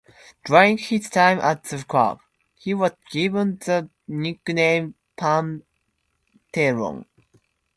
During his time at the club, he was given the nickname "Panteron".